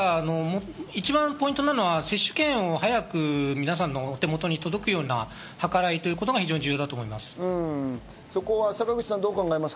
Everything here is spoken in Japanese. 一番ポイントなのは接種券を早く皆さんのお手元に届くような計らいということが重要だと思います。